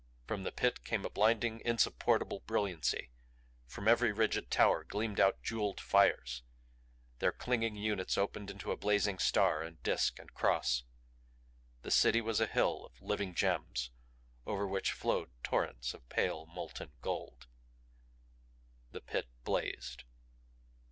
From the Pit came a blinding, insupportable brilliancy. From every rigid tower gleamed out jeweled fires; their clinging units opened into blazing star and disk and cross. The City was a hill of living gems over which flowed torrents of pale molten gold. The Pit blazed.